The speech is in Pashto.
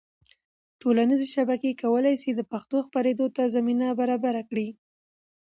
ټولنیزې شبکې کولی سي د پښتو خپرېدو ته زمینه برابره کړي.